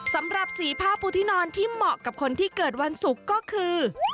สำหรับสีผ้าปูที่นอนที่เหมาะกับคนที่เกิดวันศุกร์ก็คือ